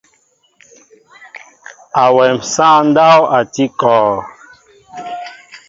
Awém sááŋ ndáw a tí kɔɔ.